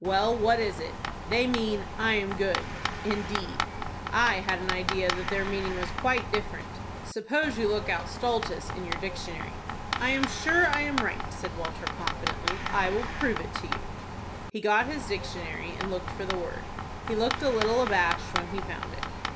"Well, what is it?" "They mean, 'I am good.'" "Indeed,—I had an idea that their meaning was quite different. Suppose you look out stultus in your dictionary." "I am sure I am right," said Walter, confidently. "I will prove it to you." He got his dictionary, and looked for the word. He looked a little abashed when he found it.